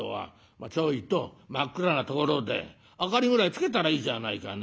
真っ暗なところで明かりぐらいつけたらいいじゃないかね。